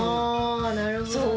あなるほどね。